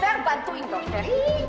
per bantuin dokter